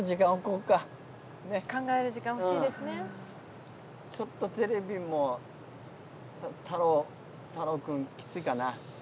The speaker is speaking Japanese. うんちょっとテレビも太郎太郎君きついかな？